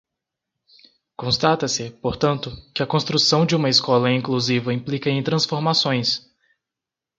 Constata-se, portanto, que a construção de uma escola inclusiva implica em transformações